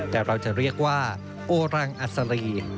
แต่เราจะเรียกว่าโอรังอัศรี